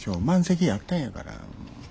満席やったんやから。